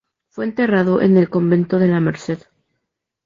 Fue enterrado en el convento de la Merced.